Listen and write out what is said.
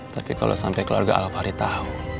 tapi kalau sampai keluarga al fahri tahu